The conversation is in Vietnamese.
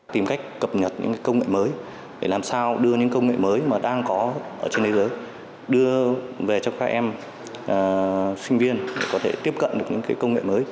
tìm cách cập nhật những công nghệ mới để làm sao đưa những công nghệ mới mà đang có ở trên thế giới đưa về cho các em sinh viên để có thể tiếp cận được những công nghệ mới